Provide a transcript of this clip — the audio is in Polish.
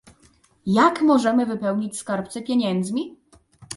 Jak możemy wypełnić skarbce pieniędzmi?